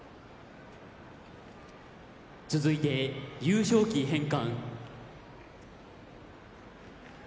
続いて優勝旗返還。